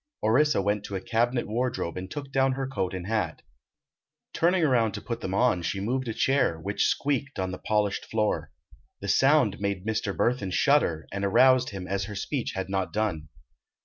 Orissa went to a cabinet wardrobe and took down her coat and hat. Turning around to put them on she moved a chair, which squeaked on the polished floor. The sound made Mr. Burthon shudder, and aroused him as her speech had not done.